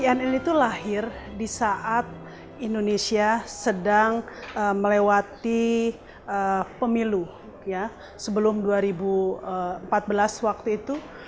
cnn itu lahir di saat indonesia sedang melewati pemilu sebelum dua ribu empat belas waktu itu